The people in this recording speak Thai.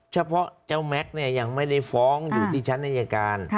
เฉพาะแม็กซ์ยังไม่ได้ฟ้องอยู่ที่ชั้นอาจารย์การ